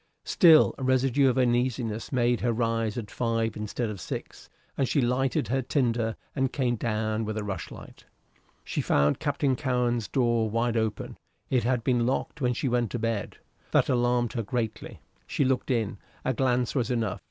Still a residue of uneasiness made her rise at five instead of six, and she lighted her tinder and came down with a rushlight. She found Captain Cowen's door wide open; it had been locked when she went to bed. That alarmed her greatly. She looked in. A glance was enough.